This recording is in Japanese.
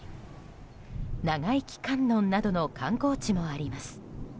長生観音などの観光地もあります。